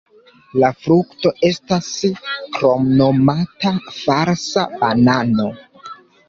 La frukto estas kromnomata "falsa banano".